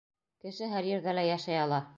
Кеше һәр ерҙә лә йәшәй ала.